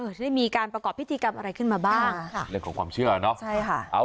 จะได้มีการประกอบพิธีกรรมอะไรขึ้นมาบ้างค่ะเรื่องของความเชื่อเนอะใช่ค่ะ